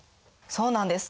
そうなんです。